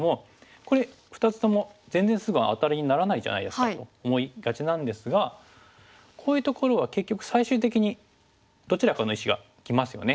これ２つとも全然すぐアタリにならないじゃないですかと思いがちなんですがこういうところは結局最終的にどちらかの石がきますよね。